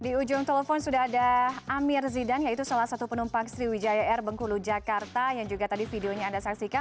di ujung telepon sudah ada amir zidan yaitu salah satu penumpang sriwijaya air bengkulu jakarta yang juga tadi videonya anda saksikan